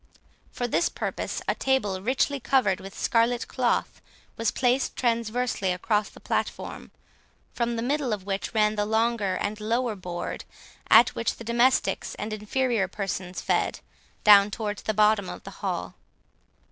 For this purpose, a table richly covered with scarlet cloth was placed transversely across the platform, from the middle of which ran the longer and lower board, at which the domestics and inferior persons fed, down towards the bottom of the hall.